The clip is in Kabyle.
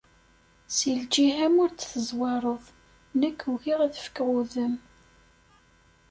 Si lǧiha-m ur d-tezwareḍ, nekk ugiɣ ad fkeɣ udem.